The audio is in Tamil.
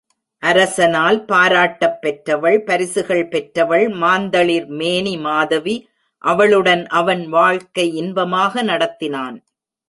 அரசனால் பாராட்டப் பெற்றவள் பரிசுகள் பெற்றவள் மாந்தளிர் மேனி மாதவி அவளுடன் அவன் வாழ்க்கை இன்பமாக நடத்தினான்.